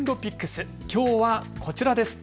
きょうはこちらです。